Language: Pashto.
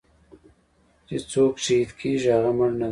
چې سوک شهيد کيګي هغه مړ نه دې.